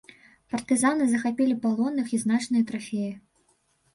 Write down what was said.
Партызаны захапілі палонных і значныя трафеі.